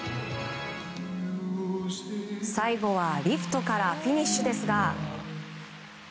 最後はリフトからフィニッシュですが。